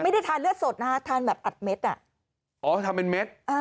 ไม่ได้ทานเลือดสดนะฮะทานแบบอัดเม็ดอ่ะอ๋อทานเป็นเม็ดอ่า